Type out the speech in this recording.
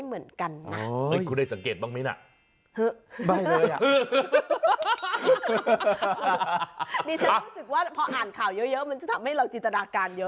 นี่ฉันรู้สึกว่าพออ่านข่าวเยอะมันจะทำให้เราจินตนาการเยอะ